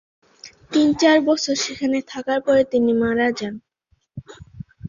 তিন-চার বছর সেখানে থাকার পরে তিনি মারা যান।